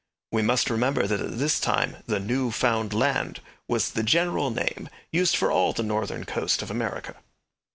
We must remember that at this time the New Found Land was the general name used for all the northern coast of America.